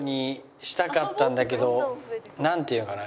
なんていうのかな。